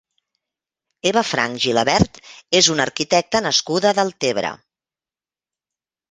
Eva Franch Gilabert és una arquitecta nascuda a Deltebre.